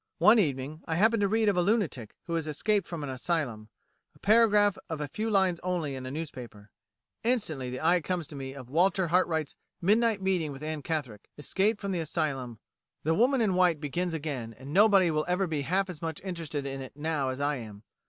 One evening I happen to read of a lunatic who has escaped from an asylum a paragraph of a few lines only in a newspaper. Instantly the idea comes to me of Walter Hartwright's midnight meeting with Anne Catherick escaped from the asylum. 'The Woman in White' begins again, and nobody will ever be half as much interested in it now as I am.